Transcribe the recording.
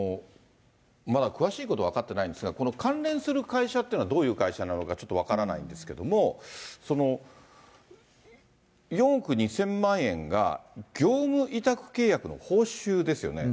まだ詳しいことは分かってないんですが、この関連する会社っていうのは、どういう会社なのか、ちょっと分からないんですけれども、４億２０００万円が業務委託契約の報酬ですよね。